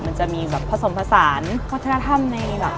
มันจะมีแบบผสมผสานวัฒนธรรมในแบบ